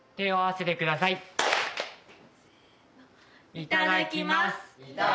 いただきます！